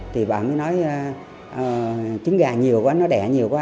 thì bạn mới nói trứng gà nhiều quá nó đẻ nhiều quá